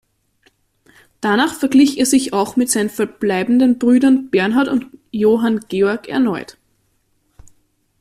Danach verglich er sich auch mit seinen verbleibenden Brüdern Bernhard und Johann Georg erneut.